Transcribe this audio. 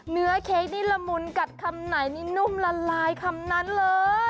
เค้กนี่ละมุนกัดคำไหนนี่นุ่มละลายคำนั้นเลย